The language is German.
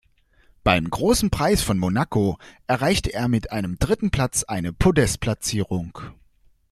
Beim Großen Preis von Monaco erreichte er mit einem dritten Platz eine Podest-Platzierung.